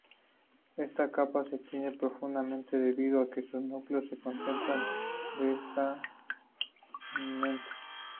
Esta capa se tiñe profusamente debido a que sus núcleos se concentran densamente.